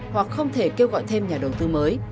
hoặc không thể kêu gọi thêm nhà đầu tư mới